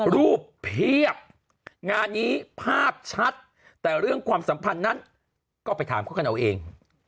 เพียบงานนี้ภาพชัดแต่เรื่องความสัมพันธ์นั้นก็ไปถามเขากันเอาเอง